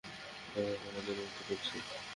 আমরা ঘোড়াদের মুক্ত করেছি।